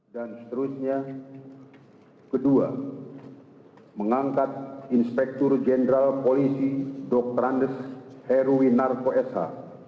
dan seterusnya kedua mengangkat inspektur jenderal polisi dokterandus heruwi narko esa